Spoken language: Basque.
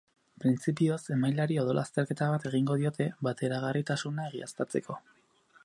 Printzipioz, emaileari odol azterketa bat egiten diote bateragarritasuna egiaztatzeko.